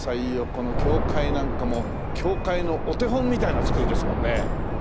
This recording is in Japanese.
この教会なんかも教会のお手本みたいな造りですもんね。